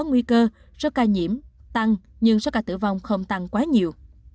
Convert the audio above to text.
nguy cơ sau ca nhiễm tăng nhưng sau ca tử vong không tăng quá nhiều